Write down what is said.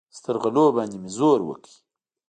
سترغلو باندې مې زور وکړ.